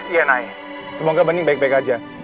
iya nay semoga bening baik baik aja